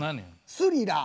「スリラー」。